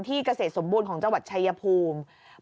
เกษตรสมบูรณ์ของจังหวัดชายภูมิ